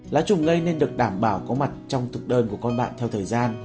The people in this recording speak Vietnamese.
lá trùng ngây nên được đảm bảo có mặt trong thực đơn của con bạn theo thời gian